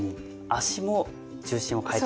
足も重心を変えていく。